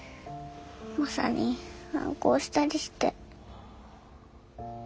マサに反抗したりして。